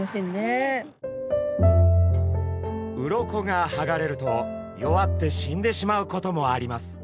鱗がはがれると弱って死んでしまうこともあります。